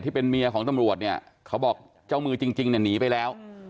ที่เป็นเมียของตำรวจเนี่ยเขาบอกเจ้ามือจริงเนี่ยหนีไปแล้ว